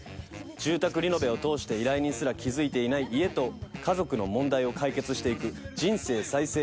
住宅リノベを通して依頼人すら気付いていない家と家族の問題を解決していく人生再生